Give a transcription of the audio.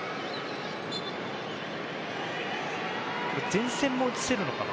前線も映せるのかな？